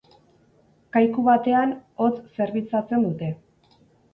Kaiku batean hotz zerbitzatzen dute.